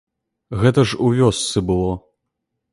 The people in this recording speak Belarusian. Гэта ж у вёсцы было.